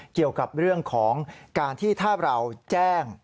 เกี่ยวกับเรื่องของการที่ถ้าเราแจ้ง